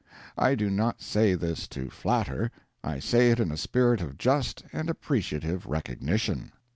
I do not say this to flatter: I say it in a spirit of just and appreciative recognition.